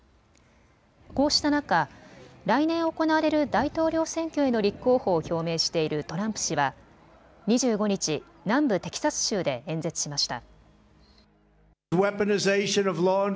こうした中、来年行われる大統領選挙への立候補を表明しているトランプ氏は２５日、南部テキサス州で演説しました。